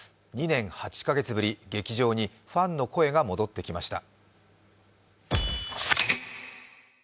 ２年８か月ぶり、劇場にファンの声が戻ってきました。